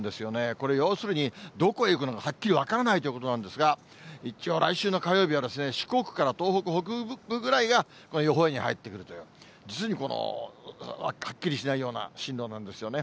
これ、要するに、どこへ行くのかはっきり分からないということなんですが、一応来週の火曜日は四国から東北北部ぐらいが予報円に入っているという、実にはっきりしないような進路なんですよね。